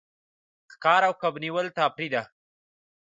ښکار او کب نیول تفریح ده.